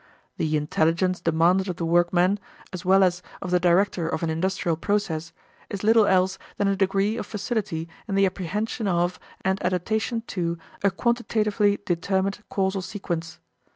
The "intelligence" demanded of the workman, as well as of the director of an industrial process, is little else than a degree of facility in the apprehension of and adaptation to a quantitatively determined causal sequence.